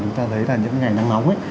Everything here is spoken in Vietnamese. chúng ta thấy là những ngày nắng nóng